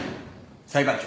裁判長。